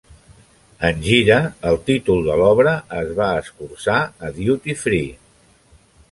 En gira, el títol de l'obra es va escurçar a 'Duty Free'.